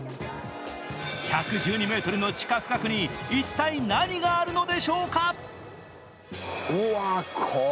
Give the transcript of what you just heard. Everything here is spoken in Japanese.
１１２ｍの地下深くに一体、何があるのでしょうか？